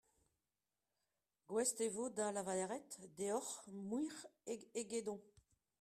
Gouest e vo da lavaret deoc'h muioc'h egedon.